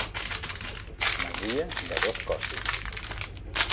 Masia de dos cossos.